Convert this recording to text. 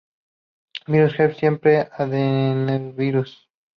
Virus del Herpes Simple, Adenovirus.